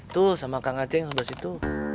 tuh sama kang ageng sudah situ